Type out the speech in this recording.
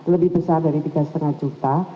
lebih besar dari tiga lima juta